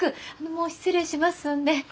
もう失礼しますんで。